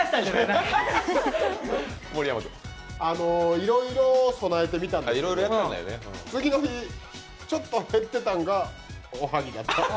いろいろ供えてみたんだけど、次の日、ちょっと減ってたんがおはぎだった。